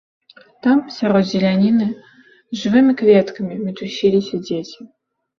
Там, сярод зеляніны, жывымі кветкамі мітусіліся дзеці.